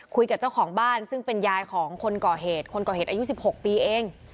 คุยกับเจ้าของบ้านซึ่งเป็นยายของคนก่อเหตุคนก่อเหตุอายุ๑๖ปีเอง